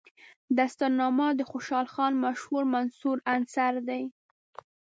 دستارنامه د خوشحال خان مشهور منثور اثر دی.